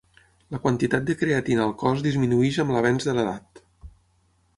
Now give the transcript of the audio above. La quantitat de creatina al cos disminueix amb l'avenç de l'edat.